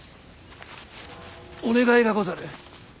お願いがござる。